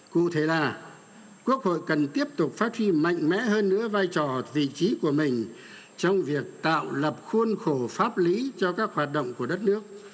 cụ thể là quốc hội cần tiếp tục phát huy mạnh mẽ hơn nữa vai trò vị trí của mình trong việc tạo lập khuôn khổ pháp lý cho các hoạt động của đất nước